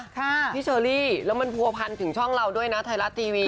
พี่เชอรี่แล้วมันผัวพันถึงช่องเราด้วยนะไทยรัฐทีวี